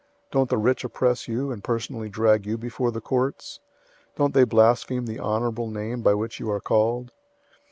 Don't the rich oppress you, and personally drag you before the courts? 002:007 Don't they blaspheme the honorable name by which you are called?